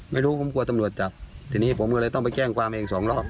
ไม่รู้ผมกลัวตำรวจจับทีนี้ผมก็เลยต้องไปแจ้งความเองสองรอบ